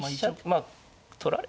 まあ取られ。